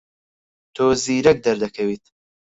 تۆ زیرەک دەردەکەویت.